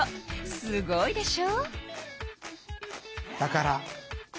すごいでしょ！